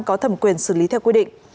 có thẩm quyền xử lý theo quy định